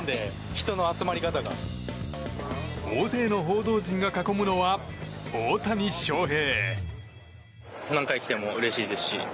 大勢の報道陣が囲むのは大谷翔平。